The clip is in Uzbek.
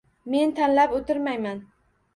Men tanlab o`tirmayman